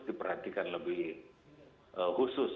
diperhatikan lebih khusus